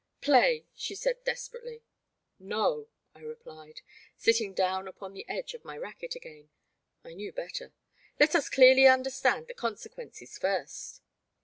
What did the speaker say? Play,'* she said, desperately. No,*' I replied, sitting down upon the edge of my racquet again — I knew better — ''let us clearly understand the consequences first.